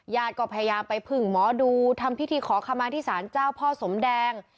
ญาติก็พยายามไปพึ่งหมอดูทำพิธีขอขมาที่ศาลเจ้าพ่อสมแดง